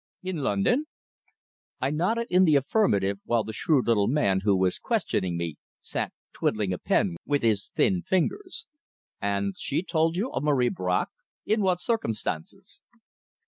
"In London?" I nodded in the affirmative, while the shrewd little man who was questioning me sat twiddling a pen with his thin fingers. "And she told you of Marie Bracq? In what circumstances?"